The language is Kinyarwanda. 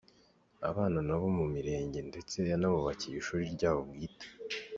Abana nabo mu murenge ndetse yanabubakiye ishuri ryabo bwite.